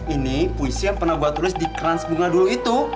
ini puisi yang pernah gue tulis di krans bunga dulu itu